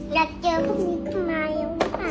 อยากเจอพรุ่งนี้มาแล้วค่ะ